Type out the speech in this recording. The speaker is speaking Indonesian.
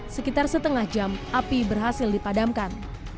sekitar setengah jam api berhasil dipadamkan